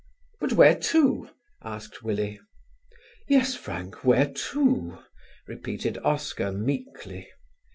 "But where to?" asked Willie. "Yes, Frank, where to?" repeated Oscar meekly.